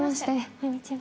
こんにちは。